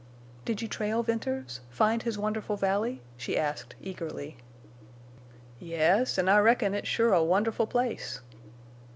"Did you trail Venters—find his wonderful valley?" she asked, eagerly. "Yes, an' I reckon it's sure a wonderful place."